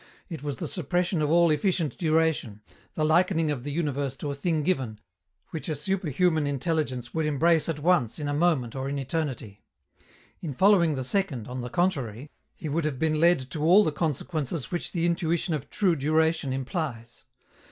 It was the suppression of all efficient duration, the likening of the universe to a thing given, which a superhuman intelligence would embrace at once in a moment or in eternity. In following the second, on the contrary, he would have been led to all the consequences which the intuition of true duration implies.